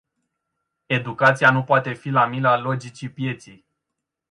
Educația nu poate fi la mila logicii pieței.